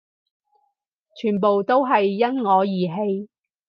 全部都係因我而起